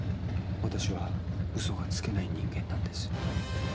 私は嘘がつけない人間なんです。